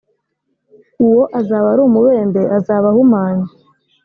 uwo azaba ari umubembe azaba ahumanye